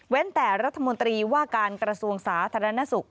เว้นแต่รัฐมนตรีว่าการกระทรวงศาสตร์ธรรณสุข